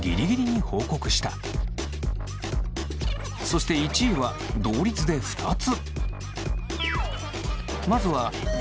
そして１位は同率で２つ。